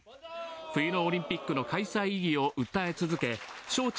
冬のオリンピックの開催意義を訴え続け招致